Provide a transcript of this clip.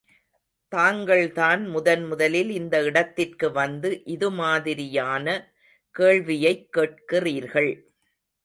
தாங்கள்தான் முதன் முதலில் இந்த இடத்திற்கு வந்து இது மாதிரியான கேள்வியைக் கேட்கிறீர்கள்.